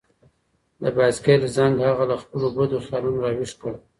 د بایسکل زنګ هغه له خپلو بدو خیالونو راویښ کړ.